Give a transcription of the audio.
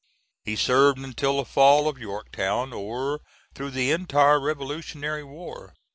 He served until the fall of Yorktown, or through the entire Revolutionary war.